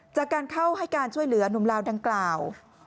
จากการเข้าให้การช่วยเหลือหนุ่มลาวดังกล่าว